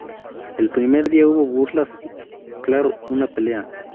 El primer día hubo burlas y, claro, una pelea.